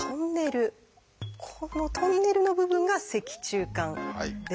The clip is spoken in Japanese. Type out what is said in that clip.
このトンネルの部分が「脊柱管」です。